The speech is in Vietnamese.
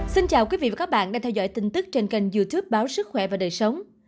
xin chào quý vị và các bạn đang theo dõi tin tức trên kênh youtube báo sức khỏe và đời sống